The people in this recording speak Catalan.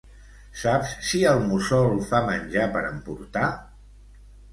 Saps si el Mussol fa menjar per emportar?